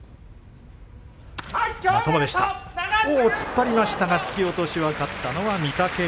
突っ張りましたが突き落とし勝ったのは御嶽海